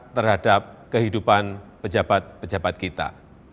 terhadap kehidupan pejabat pejabat kita